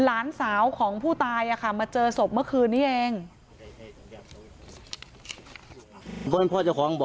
หลานสาวของผู้ตายมาเจอศพเมื่อคืนนี้เอง